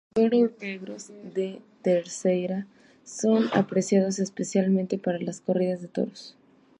Los toros negros de Terceira son apreciados especialmente para las corridas de toros.